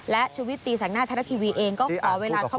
และชวิตตีแสกหน้าท้ายรัตติวีเองก็ขอเวลาท็อปถวนก่อน